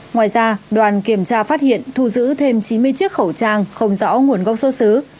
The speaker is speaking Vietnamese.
ngoài ra đoàn kiểm tra phát hiện thu giữ thêm chín mươi chiếc khẩu trang không rõ nguồn gốc xuất xứ